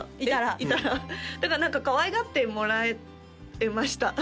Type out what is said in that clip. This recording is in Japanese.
いたらだから何かかわいがってもらえました